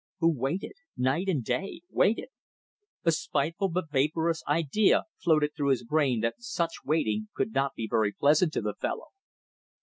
Who waited! Night and day. Waited. ... A spiteful but vaporous idea floated through his brain that such waiting could not be very pleasant to the fellow.